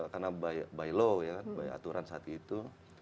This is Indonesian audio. karena by law ya kan aturan saat itu